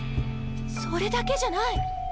それだけじゃない！